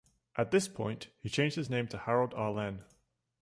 At this point, he changed his name to Harold Arlen.